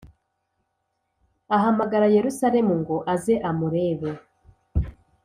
ahamagara yerusalemu ngo aze amurebe